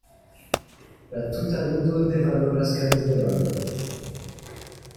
La tuta ludo ne valoras kandelon.